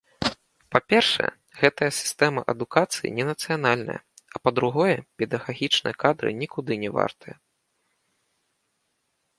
Па-першае, гэтая сістэма адукацыі ненацыянальная, а па-другое, педагагічныя кадры нікуды не вартыя.